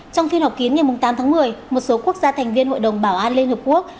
trong phiên họp kiến ngày tám tháng một mươi một số quốc gia thành viên hội đồng bảo an liên hợp quốc